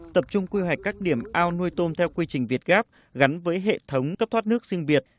tập trung quy hoạch các điểm ao nuôi tôm theo quy trình việt gáp gắn với hệ thống cấp thoát nước sinh việt